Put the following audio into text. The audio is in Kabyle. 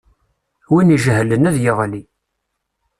Win ijehlen ad d-yeɣli.